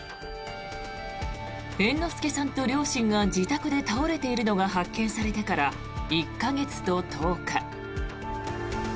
猿之助さんと両親が自宅で倒れているのが発見されてから１か月と１０日。